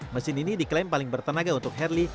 mesin ini diklaim paling bertenaga untuk harley